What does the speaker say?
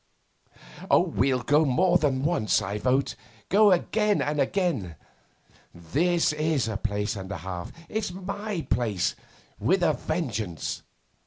'We'll go more than once, I vote; go again and again. This is a place and a half. It's my place with a vengeance